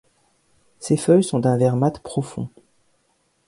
Ses feuilles sont d'un vert mat profond.